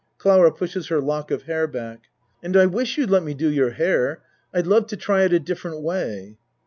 (Clara pushes her lock of hair back.) And I wish you'd let me do your hair. I'd love to try it a different way.